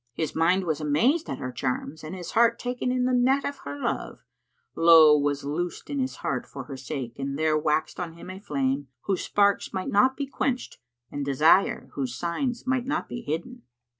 His mind was amazed at her charms and his heart taken in the net of her love; lowe was loosed in his heart for her sake and there waxed on him a flame, whose sparks might not be quenched, and desire, whose signs might not be hidden.